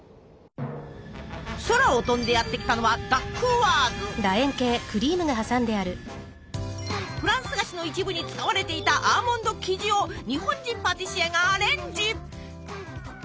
空を飛んでやって来たのはフランス菓子の一部に使われていたアーモンド生地を日本人パティシエがアレンジ。